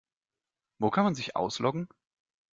Wo kann man sich ausloggen?